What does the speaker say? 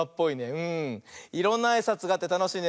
いろんなあいさつがあってたのしいね。